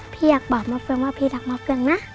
พี่อยากบาปมะเฟืองว่าพี่ทักมาเฟืองนะ